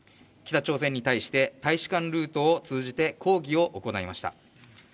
北朝鮮に対して大使館ルートを通じて抗議を行いました。